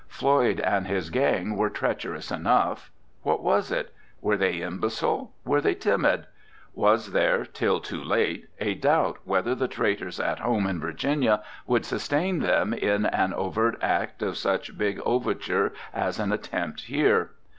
Floyd and his gang were treacherous enough. What was it? Were they imbecile? Were they timid? Was there, till too late, a doubt whether the traitors at home in Virginia would sustain them in an overt act of such big overture as an attempt here?